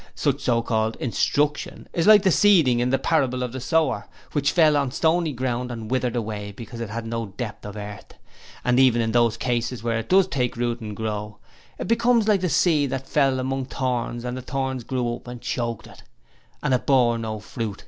Such so called "instruction" is like the seed in the parable of the Sower, which fell on stony ground and withered away because it had no depth of earth; and even in those cases where it does take root and grow, it becomes like the seed that fell among thorns and the thorns grew up and choked it, and it bore no fruit.